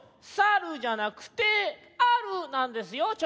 「さる」じゃなくて「ある」なんですよ。